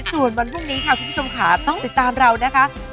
ส่วนวันพรุ่งนี้ค่ะคุณผู้ชมค่ะต้องติดตามเรานะคะ